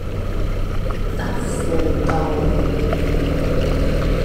德輔道